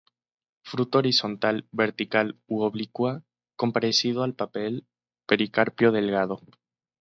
Fruto horizontal, vertical u oblicua, con, parecido al papel pericarpio delgado.